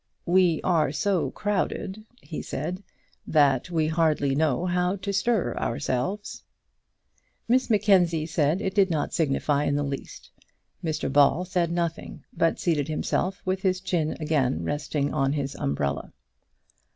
"We are so crowded," he said, "that we hardly know how to stir ourselves." Miss Mackenzie said it did not signify in the least. Mr Ball said nothing, but seated himself with his chin again resting on his umbrella.